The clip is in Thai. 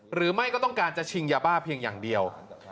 ไม่ต้องการจะชิงยาบ้าเพียงอย่างเดียว